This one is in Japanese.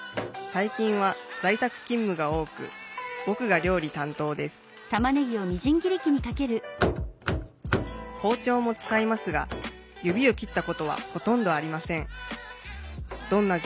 最近は在宅勤務が多く僕が料理担当です包丁も使いますが指を切ったことはほとんどありません。